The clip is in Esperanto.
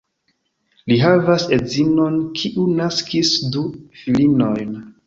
Li havas edzinon, kiu naskis du filinojn.